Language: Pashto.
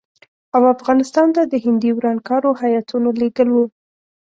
او افغانستان ته د هندي ورانکارو هیاتونه لېږل وو.